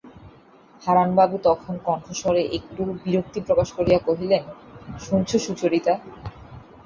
হারানবাবু তখন কণ্ঠস্বরে একটু বিরক্তি প্রকাশ করিয়া কহিলেন, শুনছ সুচরিতা?